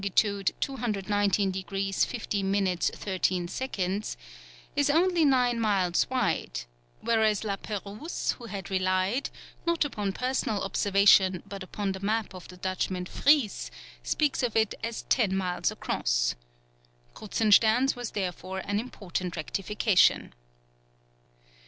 219 degrees 50 minutes 30 seconds), is only nine miles wide; whereas La Pérouse, who had relied, not upon personal observation but upon the map of the Dutchman Vries, speaks of it as ten miles across. Kruzenstern's was therefore an important rectification.